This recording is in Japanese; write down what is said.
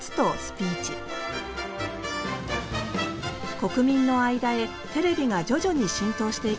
国民の間へテレビが徐々に浸透していく中